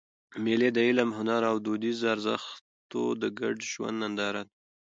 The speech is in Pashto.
مېلې د علم، هنر او دودیزو ارزښتو د ګډ ژوند ننداره ده.